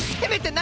何？